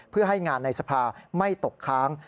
เพื่อให้งานในสภาไม่ตกค้าง